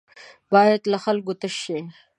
بايد له خلکو تش شي.